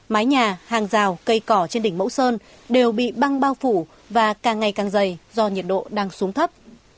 mái nhà hàng rào cây cỏ trên đỉnh mẫu sơn đều bị băng bao phủ và càng ngày càng dày do nhiệt độ đang xuống thấp